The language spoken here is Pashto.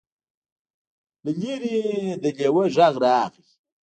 له لرې نه د لیوه غږ راغی.